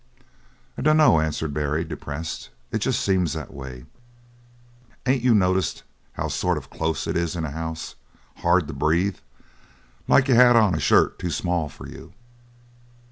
"I dunno," answered Barry, depressed. "It jest seems that way. Ain't you noticed how sort of close it is in a house? Hard to breathe? Like you had on a shirt too small for you."